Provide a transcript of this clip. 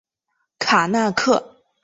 卡那刻。